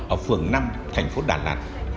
ở phường năm thành phố đà lạt